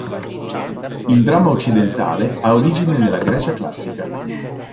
Il dramma occidentale ha origine nella Grecia classica.